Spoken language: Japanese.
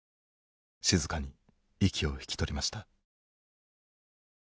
静かに息を引き取りました。